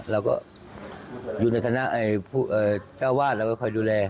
เราก็อยู่ในทะนะเจ้าอาวาสเราก็ค่อยดูแล